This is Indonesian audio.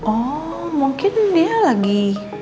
oh mungkin dia lagi